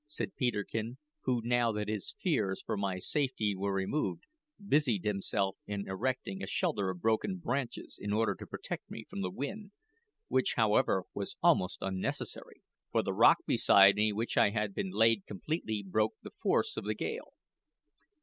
said Peterkin, who, now that his fears for my safety were removed, busied himself in erecting a shelter of broken branches in order to protect me from the wind which, however, was almost unnecessary, for the rock beside which I had been laid completely broke the force of the gale.